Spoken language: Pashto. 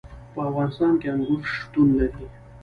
په افغانستان کې انګور شتون لري.